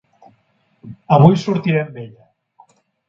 Avui sortiré amb ella.